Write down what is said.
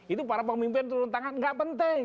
itu para pemimpin turun tangan gak penting